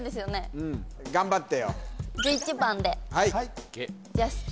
うん頑張ってよ